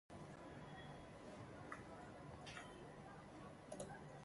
Ọ kpọkukwara ndị ọzọ bụ ndị akajiakụ ka ha nwee mmụọ inye inye